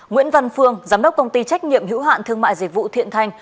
nguyễn văn phương giám đốc công ty trách nhiệm hữu hạn thương mại dịch vụ thiện thành